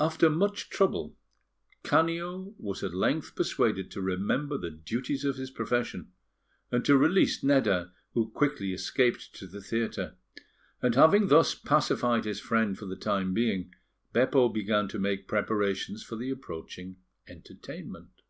After much trouble, Canio was at length persuaded to remember the duties of his profession, and to release Nedda, who quickly escaped to the theatre; and having thus pacified his friend for the time being, Beppo began to make preparations for the approaching entertainment.